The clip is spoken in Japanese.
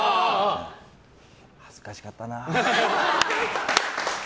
恥ずかしかったな。